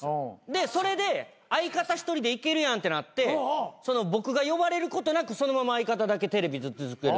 でそれで相方１人でいけるやんってなって僕が呼ばれることなくそのまま相方だけテレビ。